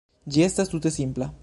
Ĝi estas tute simpla.